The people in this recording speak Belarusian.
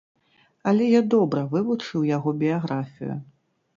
Але я добра вывучыў яго біяграфію.